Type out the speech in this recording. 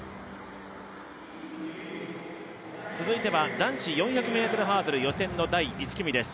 続いては男子４００ｍハードル予選の第１組です。